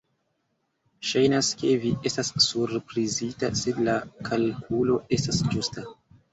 Ŝajnas, ke vi estas surprizita, sed la kalkulo estas ĝusta.